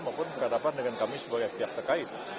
maupun berhadapan dengan kami sebagai pihak terkait